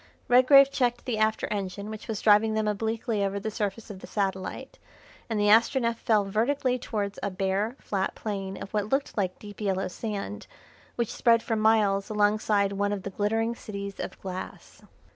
Redgrave checked the after engine which was driving them obliquely over the surface of the satellite, and the Astronef fell vertically towards a bare, flat plain of what looked like deep yellow sand, which spread for miles alongside one of the glittering cities of glass.